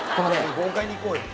豪快にいこうよ